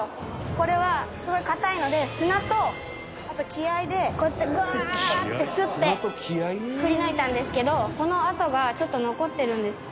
これはすごい硬いので砂とあと気合でこうやってグワーッてすってくりぬいたんですけどその跡がちょっと残ってるんですよ。